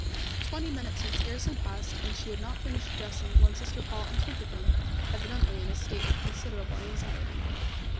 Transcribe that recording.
Twenty minutes had scarcely passed, and she had not finished dressing when Sister Paul entered the room, evidently in a state of considerable anxiety.